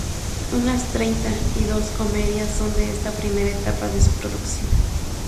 Unas treinta y dos comedias son de esta primera etapa de su producción.